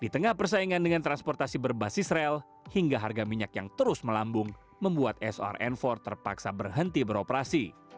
di tengah persaingan dengan transportasi berbasis rel hingga harga minyak yang terus melambung membuat srn empat terpaksa berhenti beroperasi